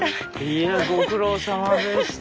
いやご苦労さまでした。